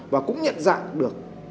và cũng nhận dạng được